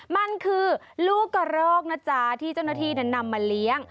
มันคือลูกกระรอกนะจ๊ะที่เจ้าหน้าที่นั้นนำมาเลี้ยง